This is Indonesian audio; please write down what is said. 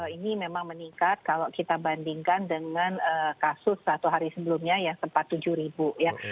ini memang meningkat kalau kita bandingkan dengan kasus satu hari sebelumnya yang sempat tujuh ribu ya